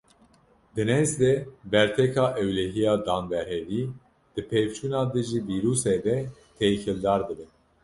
Di nêz de berteka ewlehiya danberhevî di pevçûna dijî vîrûsê de têkildar dibe.